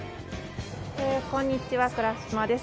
こんにちは倉嶋です。